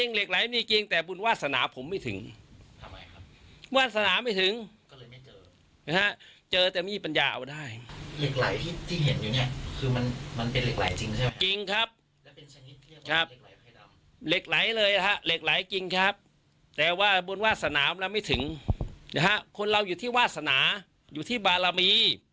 เหล็กไหลจริงครับแต่ว่าบุญวาสนาเราไม่ถึงนะฮะคนเราอยู่ที่วาสนาอยู่ที่บารมี